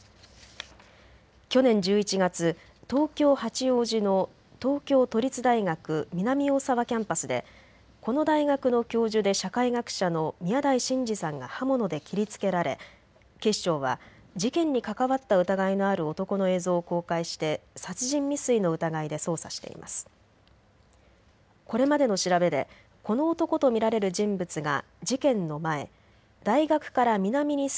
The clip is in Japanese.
去年１１月、東京八王子の東京都立大学南大沢キャンパスでこの大学の教授で社会学者の宮台真司さんが刃物で切りつけられ警視庁は事件に関わった疑いのある男の映像を公開して殺人未遂の疑いで捜査しています。